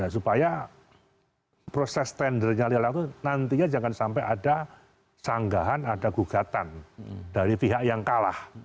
supaya proses tendernya lelah itu nantinya jangan sampai ada sanggahan ada gugatan dari pihak yang kalah